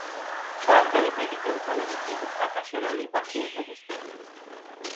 সরকারি মেডিকেল কলেজটি ঢাকা সেনানিবাসে অবস্থিত।